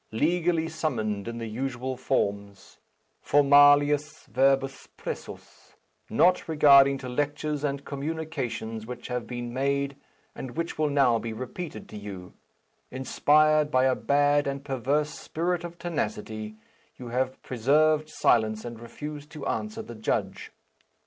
Legally summoned in the usual forms, formaliis verbis pressus; not regarding to lectures and communications which have been made, and which will now be repeated, to you; inspired by a bad and perverse spirit of tenacity, you have preserved silence, and refused to answer the judge.